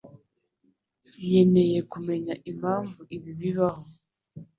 Nkeneye kumenya impamvu ibi bibaho.